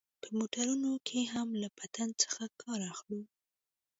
په موټرانو کښې هم له پټن څخه کار اخلو.